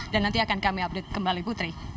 dan nanti akan kami update kembali putri